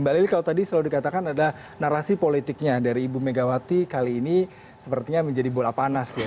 mbak lili kalau tadi selalu dikatakan ada narasi politiknya dari ibu megawati kali ini sepertinya menjadi bola panas ya